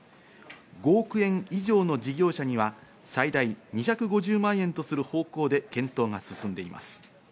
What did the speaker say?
５億円以上の事業者には最大２５０万円とする方向で検討が進んでいます。